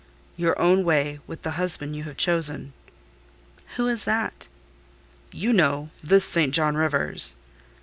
"Your own way—with the husband you have chosen." "Who is that?" "You know—this St. John Rivers."